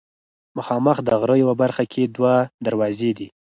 مخامخ د غره یوه برخه کې دوه دروازې دي.